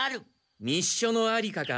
密書のありかか？